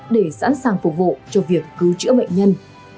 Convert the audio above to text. để sẵn sàng phục vụ cho việc cứu chữa bệnh nhân